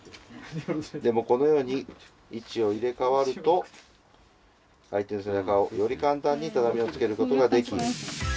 でもこのように位置を入れ替わると相手の背中をより簡単に畳につけることができ。